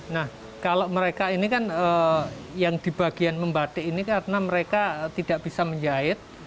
nah kalau mereka ini kan yang di bagian membatik ini karena mereka tidak bisa menjahit